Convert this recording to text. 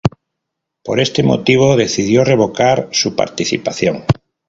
Por este motivo decidió revocar su participación.